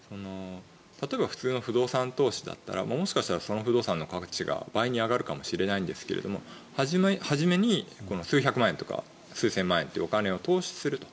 例えば普通の不動産投資だったらもしかしたらその不動産の株が倍に上がるかもしれないですが初めに数百万円とか数千万円というお金を投資すると。